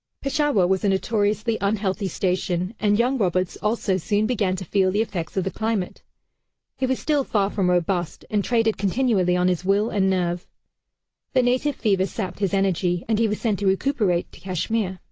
Peshawar was a notoriously unhealthy station, and young Roberts also soon began to feel the effects of the climate. He was still far from robust, and traded continually on his will and nerve. The native fever sapped his energy, and he was sent to recuperate, to Kashmir.